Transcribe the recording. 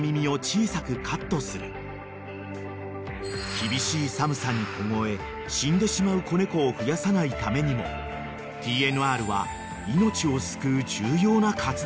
［厳しい寒さに凍え死んでしまう子猫を増やさないためにもＴＮＲは命を救う重要な活動なのだ］